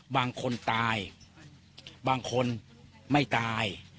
บางคนตายบางคนไม่ตาย